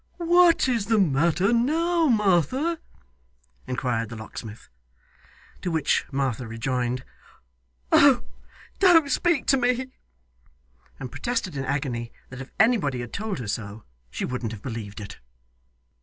'What is the matter now, Martha?' inquired the locksmith. To which Martha rejoined, 'Oh! don't speak to me,' and protested in agony that if anybody had told her so, she wouldn't have believed it.